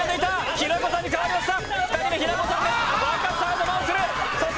平子さんに代わりました。